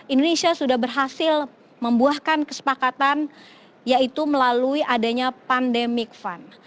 indonesia sudah berhasil membuahkan kesepakatan yaitu melalui adanya pandemic fund